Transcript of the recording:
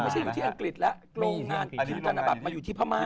ไม่ใช่อยู่ที่อังกฤษแล้วคือธนบัตรมาอยู่ที่พม่า